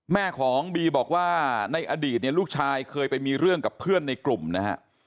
แม่ของบีบอกว่าในอดีตเนี่ยลูกชายเคยไปมีเรื่องกับเพื่อนในกลุ่มนะฮะ